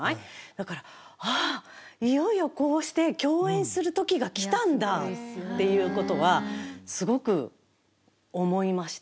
だから、ああ、いよいよこうして共演するときが来たんだっていうことは、すごく思いました。